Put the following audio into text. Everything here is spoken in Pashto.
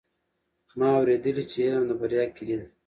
ما اورېدلي چې علم د بریا کیلي ده.